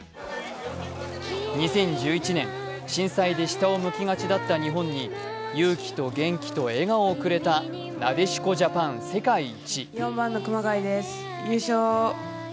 ２０１１年、震災で下を向きがちだった日本に勇気と元気と笑顔をくれたなでしこジャパン世界一。